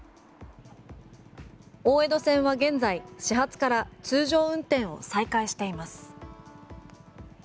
大江戸線は現在、始発から通常運転を再開しています。